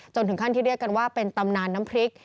ถึงขั้นที่เรียกกันว่าเป็นตำนานน้ำพริก